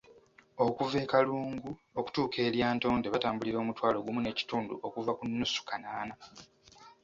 Okuva e Kalungu okutuuka e Lyatonde batambulira omutwalo gumu n'ekitundu okuva ku nnusu kanaana.